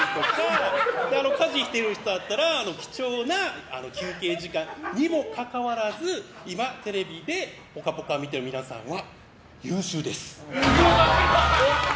家事してるひとだったら貴重な休憩時間にもかかわらず今、テレビで「ぽかぽか」見てる皆さんは優秀です。